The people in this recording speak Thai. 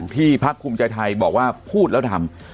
ที่ภักษ์คุมใจไทยบอกว่าพูดแล้วทำ